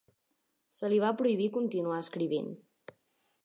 Se li va prohibir continuar escrivint.